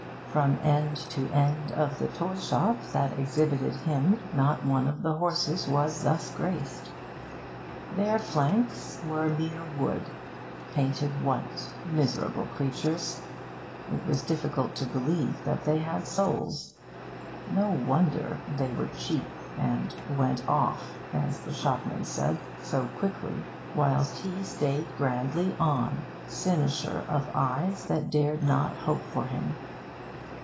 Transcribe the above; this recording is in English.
From end to end of the toy shop that exhibited him not one of the horses was thus graced. Their flanks were mere wood, painted white, with arbitrary blotches of grey here and there. Miserable creatures! It was difficult to believe that they had souls. No wonder they were cheap, and 'went off,' as the shopman said, so quickly, whilst he stayed grandly on, cynosure of eyes that dared not hope for him.